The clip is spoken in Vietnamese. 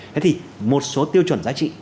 thế thì một số tiêu chuẩn giá trị